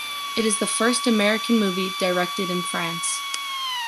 It is the first American movie directed in France.